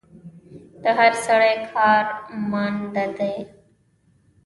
د هر سړي کار ماندۀ دی